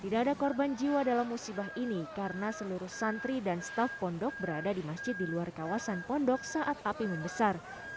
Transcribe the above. tidak ada korban jiwa dalam musibah ini karena seluruh santri dan staf pondok berada di masjid di luar kawasan pondok saat api membesar